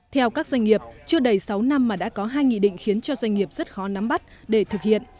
theo các doanh nghiệp chưa đầy sáu năm mà đã có hai nghị định khiến cho doanh nghiệp rất khó nắm bắt để thực hiện